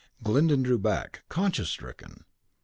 Glyndon drew back, conscience stricken.